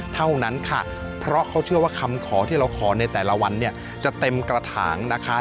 เท่านั้นค่ะเพราะเขาเชื่อว่าคำขอที่เราขอในแต่ละวันเนี่ยจะเต็มกระถางนะคะ